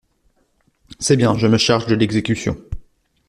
C’est bien, je me charge de l’exécution.